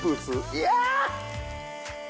いや！